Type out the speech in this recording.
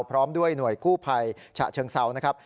พร้อมด้วยหน่วยกู้ภัยฉะเชิงเซานะครับ